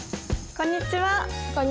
こんにちは。